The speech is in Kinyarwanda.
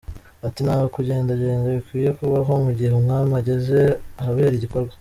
Ati “Nta kugendagenda bikwiye kubaho mu gihe Umwami ageze ahabera igikorwa.